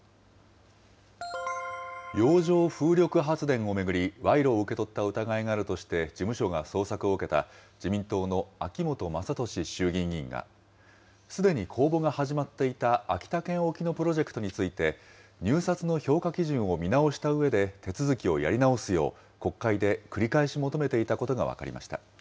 洋上風力発電を巡り、賄賂を受け取った疑いがあるとして、事務所が捜索を受けた、自民党の秋本真利衆議院議員が、すでに公募が始まっていた秋田県沖のプロジェクトについて、入札の評価基準を見直したうえで、手続きをやり直すよう、国会で繰り返し求めていたことが分かりました。